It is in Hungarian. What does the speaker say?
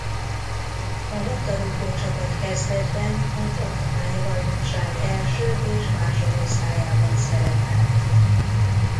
A labdarúgócsapat kezdetben a tartományi bajnokság első és másodosztályában szerepelt.